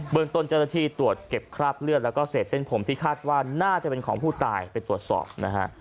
ตนเจ้าหน้าที่ตรวจเก็บคราบเลือดแล้วก็เศษเส้นผมที่คาดว่าน่าจะเป็นของผู้ตายไปตรวจสอบนะฮะ